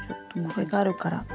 これがあるから。